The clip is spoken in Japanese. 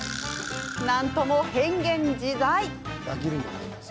何とも変幻自在。